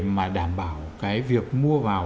mà đảm bảo cái việc mua vào